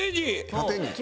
縦に。